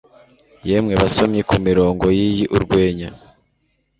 Yemwe basomyi kumirongo yiyi Urwenya